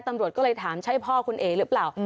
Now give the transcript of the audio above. ตำรวจก็เลยถามใช่พ่อคุณเอ๋หรือเปล่า